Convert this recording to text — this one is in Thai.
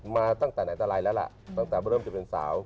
มาตั้งแต่ไหนล่ะนะตั้งแต่เริ่มจะเป็นสาว